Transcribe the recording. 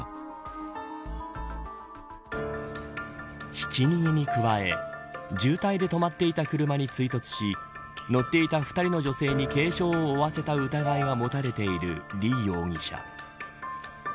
ひき逃げに加え渋滞で止まっていた車に追突し乗っていた２人の女性に軽傷を負わせた疑いが持たれている李容疑者。